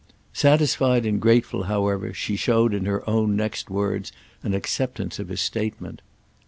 Satisfied and grateful, however, she showed in her own next words an acceptance of his statement.